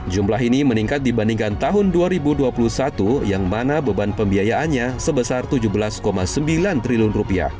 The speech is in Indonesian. jumlah ini meningkat dibandingkan tahun dua ribu dua puluh satu yang mana beban pembiayaannya sebesar rp tujuh belas sembilan triliun